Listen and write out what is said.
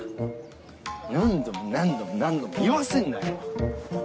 何度も何度も何度も言わせるなよ！